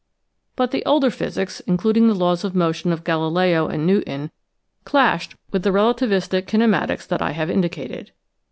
But the older physics, including the laws of motion of Galileo and Newton, clashed with the relativistic kine matics that I have indicated.